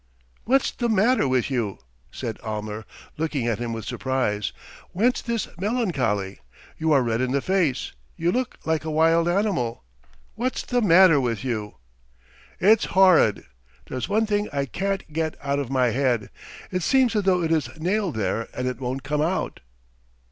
"What's the matter with you?" said Almer, looking at him with surprise. "Whence this melancholy? You are red in the face, you look like a wild animal. ... What's the matter with you?" "It's horrid. There's one thing I can't get out of my head. It seems as though it is nailed there and it won't come out."